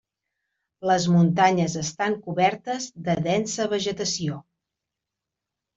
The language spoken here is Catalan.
Les muntanyes estan cobertes de densa vegetació.